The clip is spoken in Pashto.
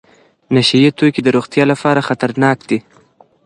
نشه یې توکي د روغتیا لپاره خطرناک دي.